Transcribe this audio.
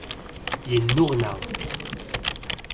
Yennuɣna.